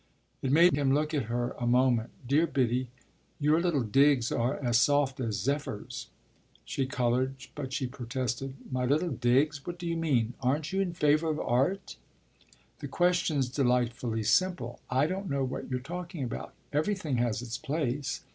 It made him look at her a moment. "Dear Biddy, your little digs are as soft as zephyrs." She coloured, but she protested. "My little digs? What do you mean? Aren't you in favour of art?" "The question's delightfully simple. I don't know what you're talking about. Everything has its place.